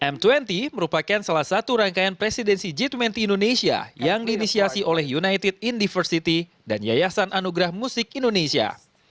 m dua puluh merupakan salah satu rangkaian presidensi g dua puluh indonesia yang diinisiasi oleh united indiversity dan yayasan anugerah musik indonesia